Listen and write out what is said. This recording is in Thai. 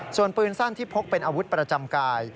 ส่วนปืนสั้นที่พกเป็นอาวุธประจำกาย